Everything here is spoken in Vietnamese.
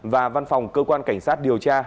và văn phòng cơ quan cảnh sát điều tra